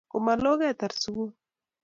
Komalo ketar sugul.